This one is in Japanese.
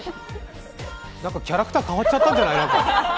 キャラクター変わっちゃったんじゃない？